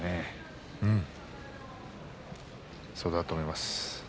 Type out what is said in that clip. そうだと思います。